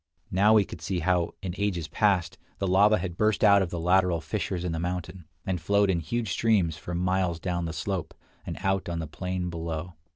Now we could see how, in ages past, the lava had burst out of the lateral fissures in the mountain, and flowed in huge streams for miles down the slope, and out on the plain below.